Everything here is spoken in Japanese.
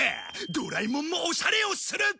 ドラえもんもオシャレをする！